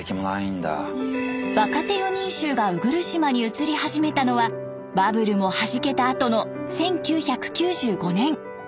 若手４人衆が鵜来島に移り始めたのはバブルもはじけたあとの１９９５年。